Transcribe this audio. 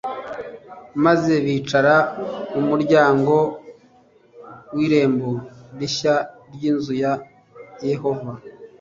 maze bicara mu muryango w irembo rishya ry inzu ya yehova